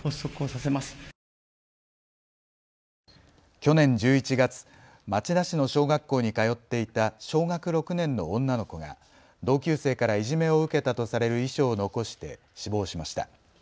去年１１月、町田市の小学校に通っていた小学６年の女の子が同級生からいじめを受けたとされる遺書を残して死亡しました。